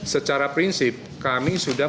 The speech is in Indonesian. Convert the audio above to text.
secara prinsip kami sudah